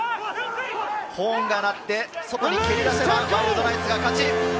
ホーンが鳴って、外に蹴り出せば、ワイルドナイツが勝ち。